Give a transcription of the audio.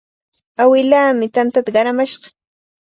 Awilaami tantata qaramashqa.